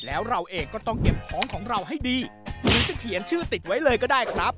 แล้วเราเองก็ต้องเก็บของของเราให้ดีหรือจะเขียนชื่อติดไว้เลยก็ได้ครับ